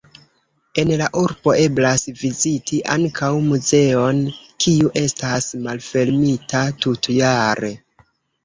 En la urbo eblas viziti ankaŭ muzeon, kiu estas malfermita tutjare.